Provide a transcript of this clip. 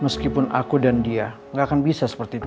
meskipun aku dan dia gak akan bisa seperti itu